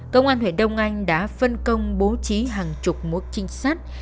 công an huyện đông anh đã phân công bố trí hàng chục mối trinh sát